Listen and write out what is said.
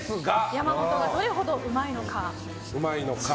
山本が、どれほどうまいのか。